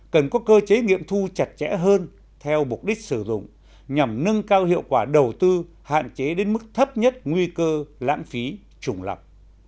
cần có cơ chế nghiệm thu chặt chẽ hơn theo mục đích sử dụng nhằm nâng cao hiệu quả đầu tư hạn chế đến mức thấp nhất nguy cơ lãng phí trùng lập